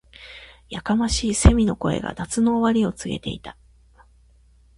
•やかましい蝉の声が、夏の終わりを告げていた。